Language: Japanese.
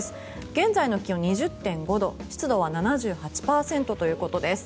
現在の気温、２０．５度湿度は７８％ということです。